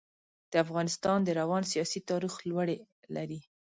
د افغانستان د روان سیاسي تاریخ لوړې لري.